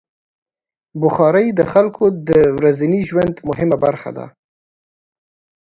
بخاري د خلکو د ورځني ژوند مهمه برخه ده.